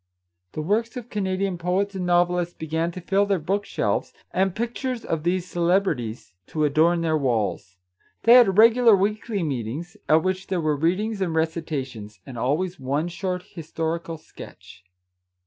The works of Canadian poets and novelists began to fill their book shelves, and pictures of these celeb rities to adorn their walls. They had regular weekly meetings, at which there were readings and recitations, and always one short historical sketch.